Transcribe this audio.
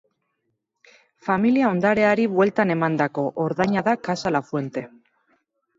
Familia ondareari bueltan emandako ordaina da Casa Lafuente.